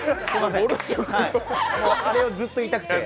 あれをずっと言いたくて。